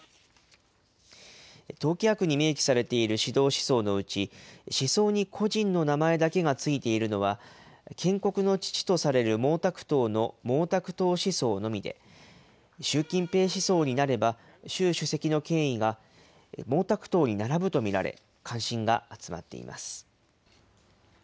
党規約に明記されている指導思想のうち、思想に個人の名前だけが付いているのは、建国の父とされる毛沢東の毛沢東思想のみで、習近平思想になれば習主席の権威が毛沢東に並ぶと見られ、関心が集まっています。